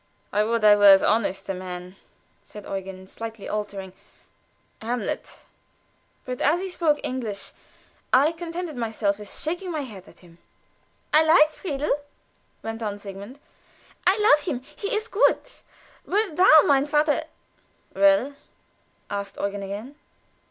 "'I would I were as honest a man,'" said Eugen, slightly altering "Hamlet;" but as he spoke English I contented myself with shaking my head at him. "I like Friedel," went on Sigmund. "I love him; he is good. But thou, mein Vater " "Well?" asked Eugen again.